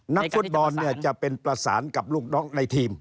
นักฟุตบอลเนี่ยจะเป็นประสานกับลูกน้องในทีม